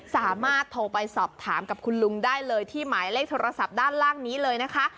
สามารถโทรไปสอบถามกับคุณลุงได้เลยที่หมายเลขโทรศัพท์ด้านล่างนี้เลยนะคะ